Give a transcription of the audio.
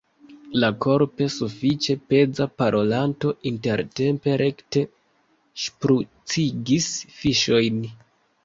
La korpe sufiĉe peza parolanto intertempe rekte ŝprucigis fiŝojn.